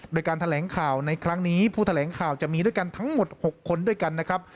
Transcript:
โดยการแถลงข่าวในครั้งนี้ผู้แถลงข่าวจะมีด้วยกันทั้งหมด๖คนด้วยกันนะครับ